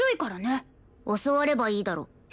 教わればいいだろ。